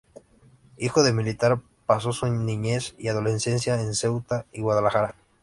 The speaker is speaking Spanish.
Hijo de militar, pasó su niñez y adolescencia en Ceuta y Guadalajara.